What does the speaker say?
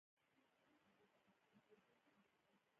بادام د افغانستان د شنو سیمو یوه ښکلې ښکلا ده.